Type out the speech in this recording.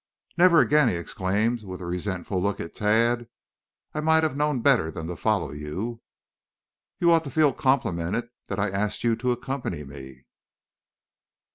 "Never again!" he exclaimed with a resentful look at Tad. "I might have known better than to follow you." "You ought to feel complimented that I asked you to accompany me."